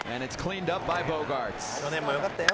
「去年も良かったよ